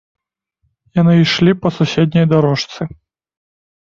Яны ішлі па суседняй дарожцы.